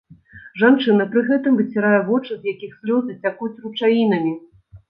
Жанчына пры гэтым выцірае вочы, з якіх слёзы цякуць ручаінамі.